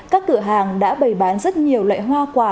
các cửa hàng đã bày bán rất nhiều loại hoa quả